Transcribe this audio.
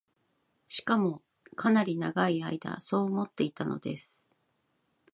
しかも、かなり永い間そう思っていたのです